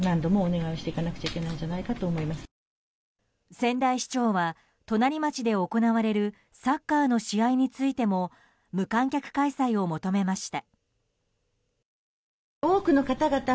仙台市長は隣町で行われるサッカーの試合についても無観客開催を求めました。